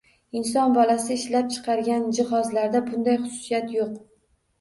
Inson bolasi ishlab chiqargan jihozlarda bunday xususiyat yo‘q.